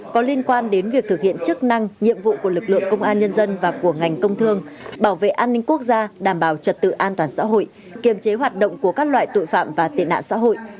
có liên quan đến việc thực hiện chức năng nhiệm vụ của lực lượng công an nhân dân và của ngành công thương bảo vệ an ninh quốc gia đảm bảo trật tự an toàn xã hội kiềm chế hoạt động của các loại tội phạm và tệ nạn xã hội